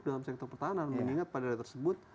dalam sektor pertahanan mengingat pada daerah tersebut